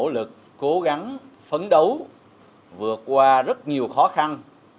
nỗ lực cố gắng phấn đấu vượt qua rất nhiều khó khăn